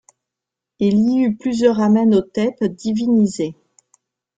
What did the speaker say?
Il y eut plusieurs Amenhotep divinisés.